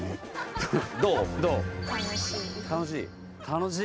楽しい？